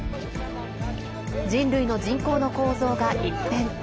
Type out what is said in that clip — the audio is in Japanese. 人類の人口の構造が一変。